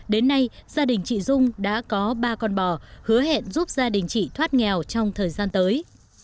đến nay gia đình chị dung đã có ba con bò hứa hẹn giúp gia đình chị thoát nghèo trong thời gian tới